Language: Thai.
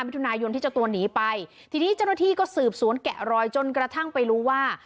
มิถุนายนที่เจ้าตัวหนีไปทีนี้เจ้าหน้าที่ก็สืบสวนแกะรอยจนกระทั่งไปรู้ว่า